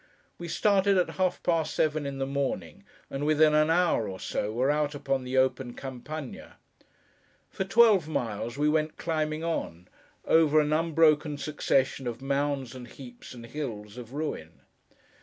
We started at half past seven in the morning, and within an hour or so were out upon the open Campagna. For twelve miles we went climbing on, over an unbroken succession of mounds, and heaps, and hills, of ruin.